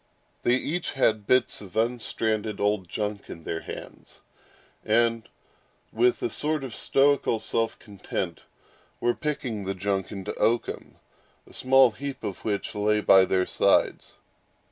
They each had bits of unstranded old junk in their hands, and, with a sort of stoical self content, were picking the junk into oakum, a small heap of which lay by their sides.